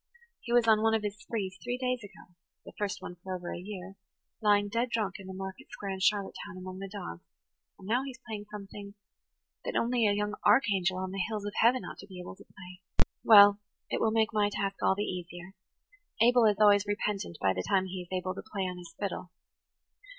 He was on one of his sprees three days ago–the first one for over a year–lying dead drunk in the market square in Charlottetown among the dogs; and now he is [Page 89] playing something that only a young archangel on the hills of heaven ought to be able to play. Well, it will make my task all the easier. Abel is always repentant by the time he is able to play on his fiddle."